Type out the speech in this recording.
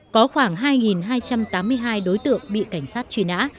có khoảng hai hai trăm tám mươi hai đối tượng bị cảnh sát truy nã